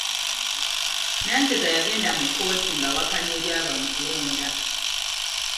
Nanteza yagenda mu kkooti ng'awakanya ebyava mu kulonda